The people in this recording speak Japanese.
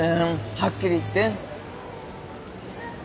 はっきり言って。